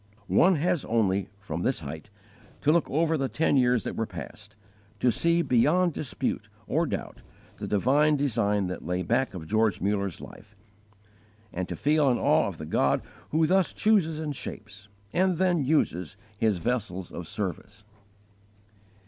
One has only, from this height, to look over the ten years that were past, to see beyond dispute or doubt the divine design that lay back of George Mullers life, and to feel an awe of the God who thus chooses and shapes, and then uses, His vessels of service.